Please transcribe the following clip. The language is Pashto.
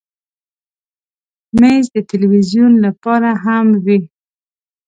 مېز د تلویزیون لپاره هم وي.